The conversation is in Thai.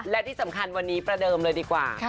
และที่สำคัญวันนี้ประเดิมเลยดีกว่า